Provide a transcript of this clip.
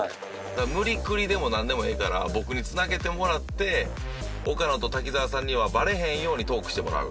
無理くりでもなんでもええから僕に繋げてもらって岡野と滝沢さんにはバレへんようにトークしてもらう。